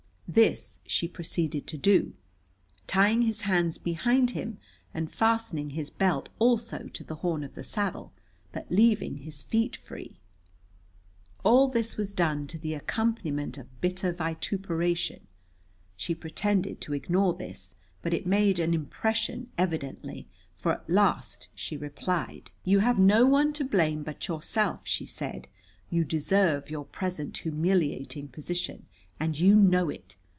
This she proceeded to do, tying his hands behind him and fastening his belt also to the horn of the saddle, but leaving his feet free. All this was done to the accompaniment of bitter vituperation. She pretended to ignore this, but it made an impression evidently, for at last she replied. "You have no one to blame but yourself," she said. "You deserve your present humiliating position, and you know it.